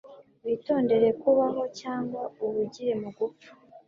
Witondere kubaho cyangwa uhugire mu gupfa.